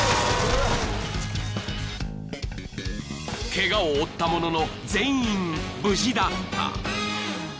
［ケガを負ったものの全員無事だった］